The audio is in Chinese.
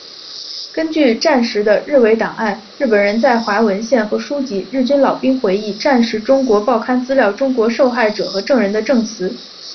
依据战时的日伪档案、日本人在华文献和书籍、日军老兵回忆、战时中国报刊资料、中国受害者和证人的证词